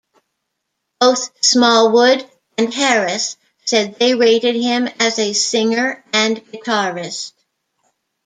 Both Smallwood and Harris said they rated him as a singer and guitarist.